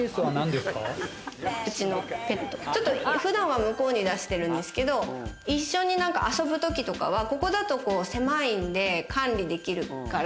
うちのペット、普段は向こうに出してるんですけど一緒に遊ぶ時とかはここだと狭いんで管理できるから。